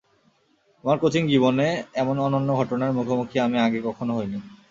আমার কোচিং জীবনে এমন অনন্য ঘটনার মুখোমুখি আমি আগে কখনো হইনি।